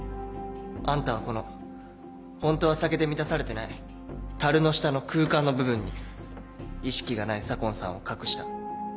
あんたはこのホントは酒で満たされてない樽の下の空間の部分に意識がない左紺さんを隠した。